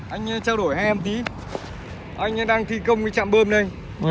anh trao đổi hai em tí anh đang thi công cái trạm bơm đây